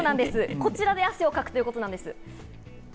こちらで汗をかくということです。